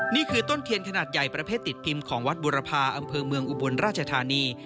นี่คือต้นเทียนขนาดใหญ่ประเภทติดพิมพ์ของวัดบุรพาอำเภอเมืองอุบลราชธานี